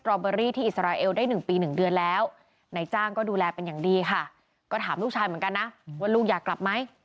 ก็ถามลูกชายเหมือนกันนะว่าลูกอยากกลับไหม